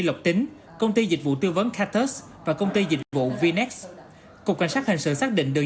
lọc tính công ty dịch vụ tư vấn katus và công ty dịch vụ vinex cục cảnh sát hình sự xác định đường